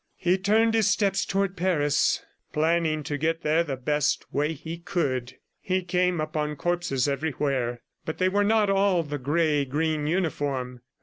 He turned his steps toward Paris, planning to get there the best way he could. He came upon corpses everywhere, but they were not all the gray green uniform.